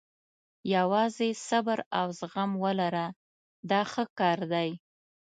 یوازې صبر او زغم ولره دا ښه کار دی.